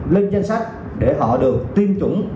lên danh sách để họ được tiêm chủng